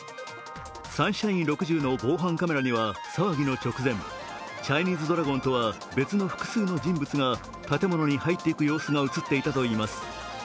サンシャイン６０の防犯カメラには騒ぎの直前チャイニーズドラゴンとは別の複数の人物が建物に入っていく様子が映っていたといいます。